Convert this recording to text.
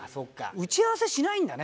打ち合わせしないんだね